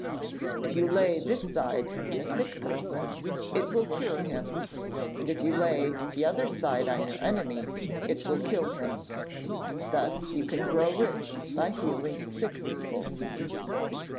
'If you lay this side on a sick person, it will cure him; and if you lay the other side on your enemy, it will kill him. Thus you can grow rich by healing sick people.'